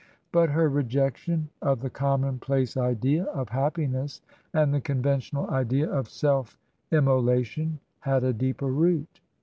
But her rejection of 78 TRANSITION. the commonplace idea of happiness and the conventional idea of self immolation had a deeper root.